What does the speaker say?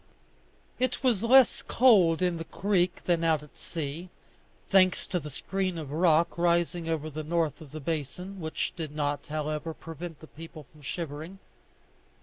It was less cold in the creek than out at sea, thanks to the screen of rock rising over the north of the basin, which did not, however, prevent the people from shivering.